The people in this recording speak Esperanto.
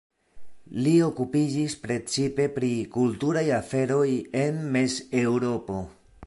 Li okupiĝis precipe pri kulturaj aferoj en Mez-Eŭropo.